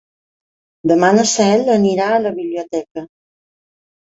Demà na Cel anirà a la biblioteca.